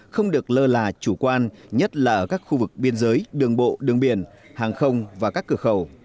không được lơ là chủ quan nhất là ở các khu vực biên giới đường bộ đường biển hàng không và các cửa khẩu